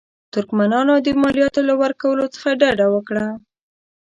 ترکمنانو د مالیاتو له ورکولو څخه ډډه وکړه.